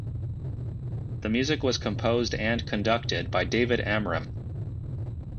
The music was composed and conducted by David Amram.